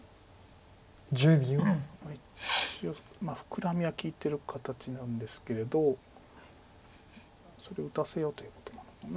一応フクラミは利いてる形なんですけれどそれを打たせようということなのかな。